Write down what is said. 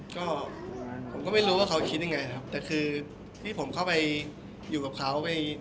ก็ผมก็ไม่รู้ว่าเขาคิดยังไงครับแต่คือที่ผมเข้าไปอยู่กับเขาไป